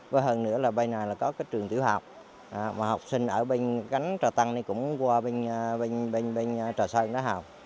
và hơn nữa là bên này là có cái trường tiểu học mà học sinh ở bên cánh trà tân cũng qua bên trà sơn đó học